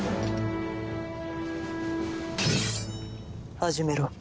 始めろ。